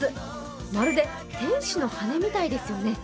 まるで天使の羽根みたいですよね。